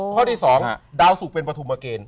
ข้อที่๒ดาวสุกเป็นปฐุมเกณฑ์